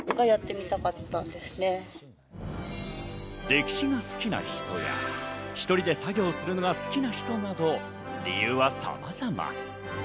歴史が好きな人や、１人で作業するのが好きな人など理由は様々。